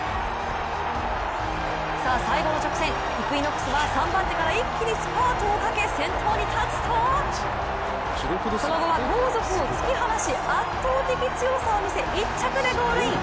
さあ最後の直線、イクイノックスは３番手から一気にスパートをかけ先頭に立つと、その後は後続を突き放し圧倒的な強さを見せ１着でゴールイン。